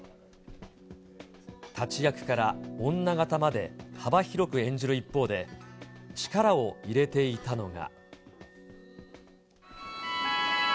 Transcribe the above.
立役から女方まで幅広く演じる一方で、力を入れていたのが。